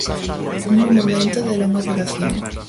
Un monumento de longa duración.